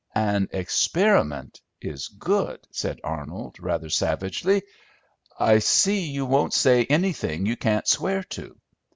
"An 'experiment' is good!" said Arnold, rather savagely. "I see you won't say anything you can't swear to."